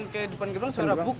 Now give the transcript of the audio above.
kayak depan gerbang suara buk